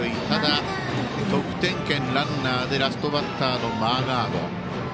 ただ、得点圏にランナーでラストバッターのマーガード。